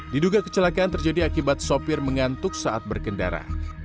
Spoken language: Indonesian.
diduga kecelakaan terjadi akibat sopir mengantuk saat berkendara